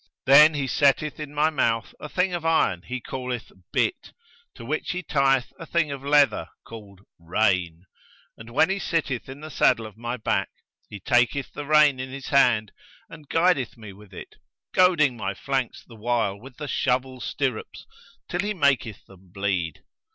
Then he setteth in my mouth a thing of iron he calleth Bit, to which he tieth a thing of leather called Rein; and, when he sitteth in the saddle on my back, he taketh the rein in his hand and guideth me with it, goading my flanks the while with the shovel stirrups till he maketh them bleed.